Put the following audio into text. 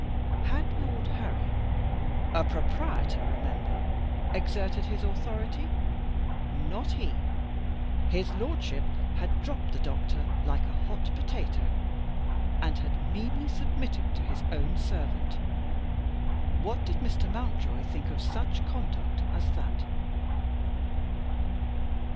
Had Lord Harry a proprietor, remember exerted his authority? Not he! His lordship had dropped the doctor "like a hot potato," and had meanly submitted to his own servant. What did Mr. Mountjoy think of such conduct as that?